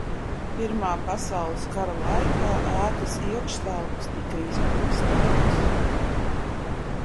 Pirmā pasaules kara laikā ēkas iekštelpas tika izpostītas.